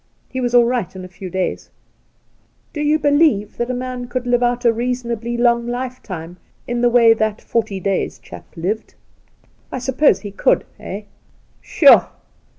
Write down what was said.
He was all right in a few days.' 'Do you believe that a man could live out a reasonably long lifetime in the way that " forty days " chap lived 1 I suppose he could, eh 1 Shoo